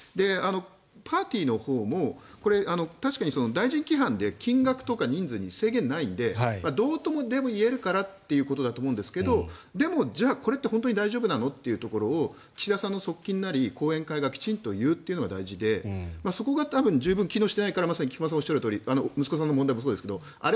パーティーのほうも確かに大臣規範で金額とか人数に制限ないんでどうとでもいえるからってところだと思うんですがでもじゃあこれって本当に大丈夫なのというところを岸田さんの側近なり後援会がきちんと言うことが大事でそこが多分十分機能していないからまさに菊間さんがおっしゃるとおり息子さんの問題もそうですけどあれ